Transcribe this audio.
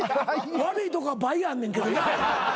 悪いとこは倍あんねんけどな。